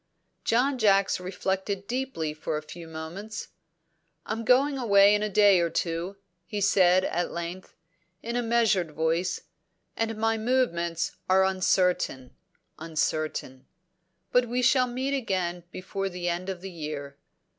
John Jacks reflected deeply for a few moments. "I'm going away in a day or two," he said at length, in a measured voice, "and my movements are uncertain uncertain. But we shall meet again before the end of the year."